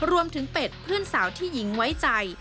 เป็ดเพื่อนสาวที่หญิงไว้ใจ